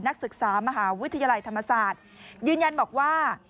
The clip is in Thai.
นักศึกษามหาวิทยาลัยธรรมศาสตร์ยืนยันบอกว่า